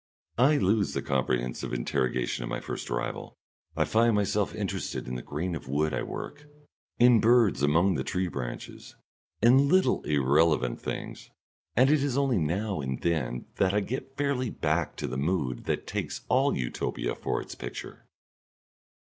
I lose the comprehensive interrogation of my first arrival; I find myself interested in the grain of the wood I work, in birds among the tree branches, in little irrelevant things, and it is only now and then that I get fairly back to the mood that takes all Utopia for its picture.